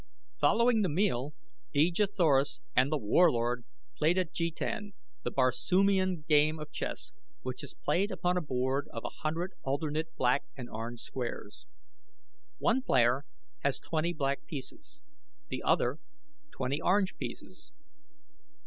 Following the meal Dejah Thoris and The Warlord played at jetan, the Barsoomian game of chess, which is played upon a board of a hundred alternate black and orange squares. One player has twenty black pieces, the other, twenty orange pieces.